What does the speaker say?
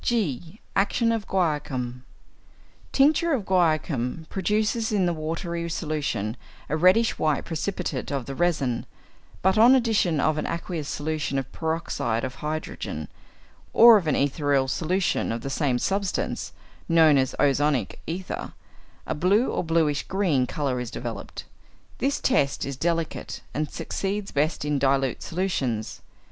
(g) =Action of Guaiacum.= Tincture of guaiacum produces in the watery solution a reddish white precipitate of the resin, but on addition of an aqueous solution of peroxide of hydrogen, or of an ethereal solution of the same substance (known as ozonic ether), a blue or bluish green colour is developed. This test is delicate, and succeeds best in dilute solutions.